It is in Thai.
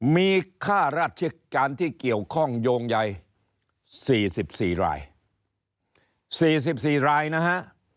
มีค่าราชิการที่เกี่ยวข้องโยงใหญ่สี่สิบสี่รายสี่สิบสี่รายนะฮะ